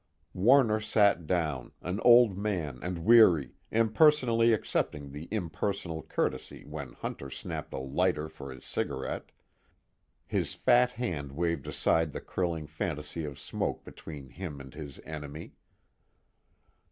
Warner sat down, an old man and weary, impersonally accepting the impersonal courtesy when Hunter snapped a lighter for his cigarette. His fat hand waved aside the curling fantasy of smoke between him and his enemy.